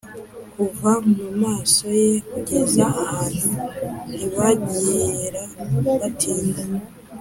kuva mumaso ye kugeza ahantu ntibazigera batinda.